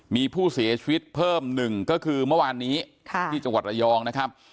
มีผู้เสียชีวิตเพิ่มหนึ่งก็คือเมื่อวานนี้ที่จังหวัดระยองนะครับ